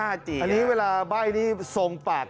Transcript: อันนี้เวลาใบ้นี่ทรงปาก